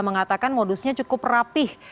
mengatakan modusnya cukup rapih